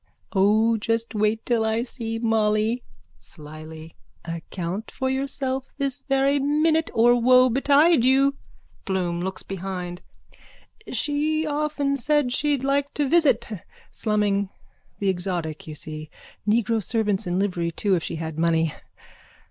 O just wait till I see Molly! (Slily.) Account for yourself this very sminute or woe betide you! BLOOM: (Looks behind.) She often said she'd like to visit. Slumming. The exotic, you see. Negro servants in livery too if she had money.